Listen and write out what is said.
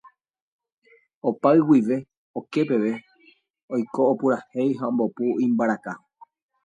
opay guive oke peve oiko opurahéi ha ombopu imbaraka